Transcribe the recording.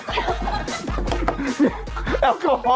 พี่แอลล์โคโฮฮอล์